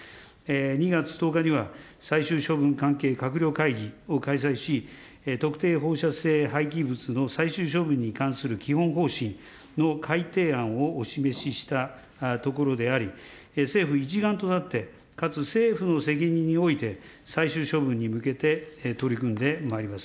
２月１０日には最終処分関係閣僚会議を開催し、特定放射性廃棄物の最終処分に関する基本方針の改定案をお示ししたところであり、政府一丸となって、かつ政府の責任において、最終処分に向けて取り組んでまいります。